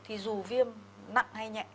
thì dù viêm nặng hay nhẹ